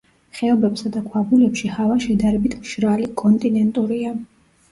ხეობებსა და ქვაბულებში ჰავა შედარებით მშრალი, კონტინენტურია.